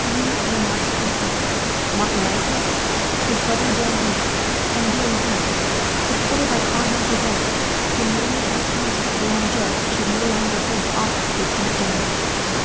Three of the marshals of France Montmorency, his brother Danville, and Vielleville supported by Cardinal Bourbon, demanded of the council that D'Anjou should no longer hold the office of lieutenant general.